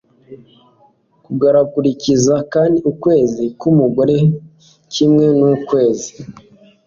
kugakurikiza kandi ukwezi k'umugore kimwe n'ukwezi